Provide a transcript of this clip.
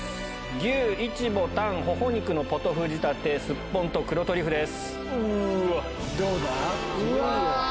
牛イチボ、舌、頬肉のポトフ仕立て、すっぽんと黒トリュフです。